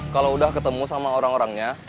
kalau udah ketemu sama orang orangnya